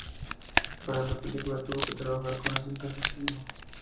Para la película tuvo que trabajar con acento argentino.